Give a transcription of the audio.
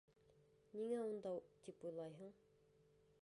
Ниңә унда тип уйлайһың?